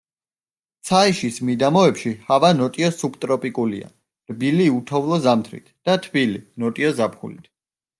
ცაიშის მიდამოებში ჰავა ნოტიო სუბტროპიკულია, რბილი, უთოვლო ზამთრით და თბილი, ნოტიო ზაფხულით.